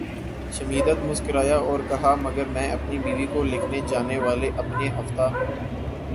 Schmidt مسکرایا اور کہا مگر میں اپنی بیوی کو لکھے جانے والے اپنے ہفتہ